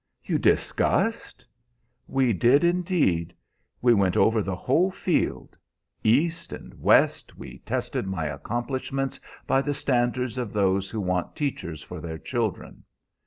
"You discussed!" "We did, indeed. We went over the whole field. East and west we tested my accomplishments by the standards of those who want teachers for their children.